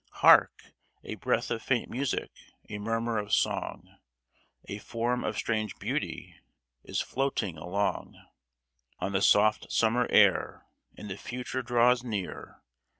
Hark ! a breath of faint music, a murmur of song ! A form of strange beauty is floating along On the soft summer air, and the Future draws near.